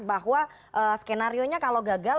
bahwa skenario nya kalau gagal